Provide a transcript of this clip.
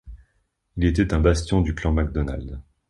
Il était un bastion du clan Macdonald.